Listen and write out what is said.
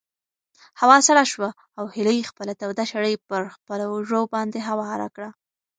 هوا سړه شوه او هیلې خپله توده شړۍ په خپلو اوږو باندې هواره کړه.